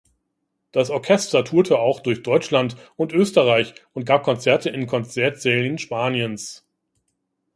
Das Orchester tourte auch durch Deutschland und Österreich und gab Konzerte in Konzertsälen Spaniens.